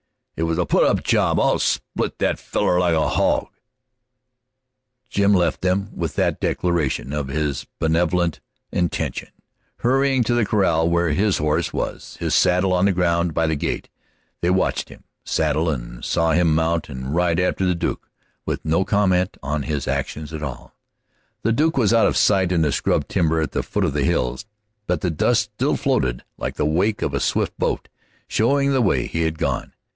"It was a put up job! I'll split that feller like a hog!" Jim left them with that declaration of his benevolent intention, hurrying to the corral where his horse was, his saddle on the ground by the gate. They watched him saddle, and saw him mount and ride after the Duke, with no comment on his actions at all. The Duke was out of sight in the scrub timber at the foot of the hills, but his dust still floated like the wake of a swift boat, showing the way he had gone.